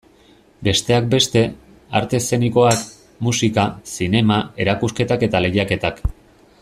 Besteak beste, arte eszenikoak, musika, zinema, erakusketak eta lehiaketak.